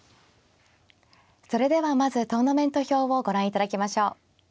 それではまずトーナメント表をご覧いただきましょう。